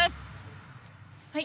はい。